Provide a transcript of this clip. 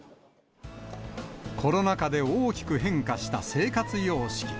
コロナ禍で大きく変化した生活様式。